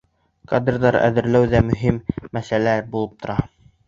Кадрҙар әҙерләү ҙә мөһим мәсьәлә булып тора.